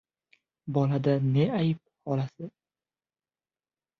— Bolada ne ayb, xolasi.